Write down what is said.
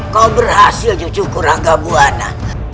kau berhasil cucuku ranggabuana